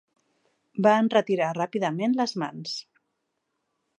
Va enretirar ràpidament les mans.